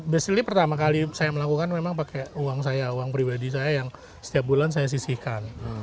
basilly pertama kali saya melakukan memang pakai uang saya uang pribadi saya yang setiap bulan saya sisihkan